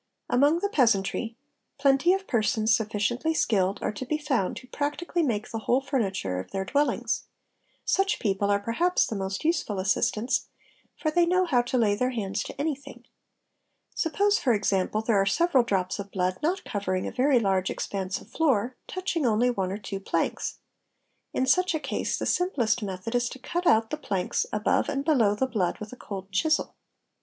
Among the peasantry, plenty of persons sufficiently skilled are to be found who practically make the whole furniture of their dwellings. Such people are perhaps the most useful assistants, for they know how to lay their hands to anything. Suppose, for example, there are several drops of blood not covering a very large expanse of floor, touching only one or two planks; in such a case the simplest method is to cut out the planks above and below the blood with a cold chisel.